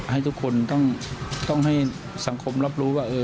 ให้ทุกคนต้องให้สังคมรับรู้ว่า